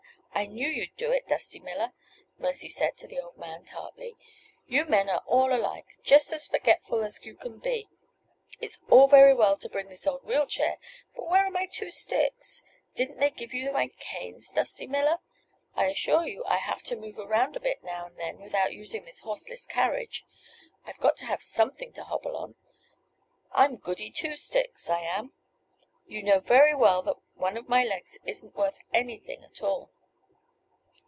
I knew you'd do it, Dusty Miller," Mercy said to the old man, tartly. "You men are all alike just as forgetful as you can be. It's all very well to bring this old wheelchair; but where are my two sticks? Didn't they give you my canes, Dusty Miller? I assure you I have to move around a bit now and then without using this horseless carriage. I've got to have something to hobble on. I'm Goody Two sticks, I am. You know very well that one of my legs isn't worth anything at all."